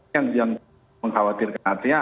yang mengkhawatirkan artinya